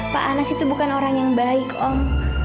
pak anas itu bukan orang yang baik om